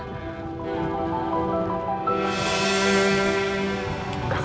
iyalah pak elsa yang kerasnya